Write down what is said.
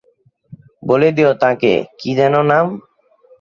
বলে দিও তাঁকে, কি যেন নাম?